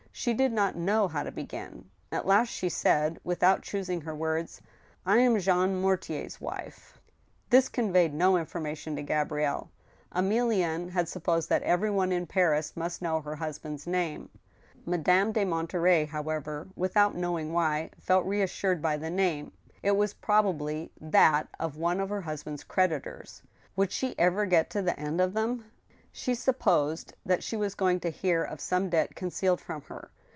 She did not know how to begin. At last she said, without choosing her words :" I am Jean Mortier's wife." 134 ^^^ STEEL HAMMER, This conveyed no information to Gabrielle. Emilienne had sup posed that every one in Paris nwist know her husband's name. Madame de Monterey, however, >yithout knowing why, felt reas sured by the name. It was probably that of one of her husband's creditors. Would she ever get to the end of them ? She supposed that she was going to hear of some debt concealed from her.